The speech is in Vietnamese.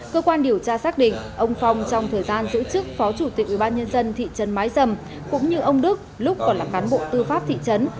cơ quan điều tra xác định ông phong trong thời gian giữ chức phó chủ tịch ubnd thị trấn mái dầm cũng như ông đức lúc còn là cán bộ tư pháp thị trấn